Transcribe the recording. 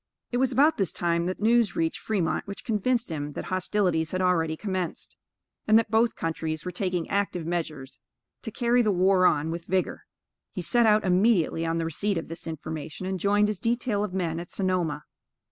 It was about this time that news reached Fremont which convinced him that hostilities had already commenced, and that both countries were taking active measures to carry the war on with vigor. He set out immediately, on the receipt of this information, and joined his detail of men at Sonoma.